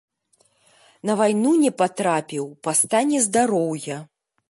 На вайну не патрапіў па стане здароўя.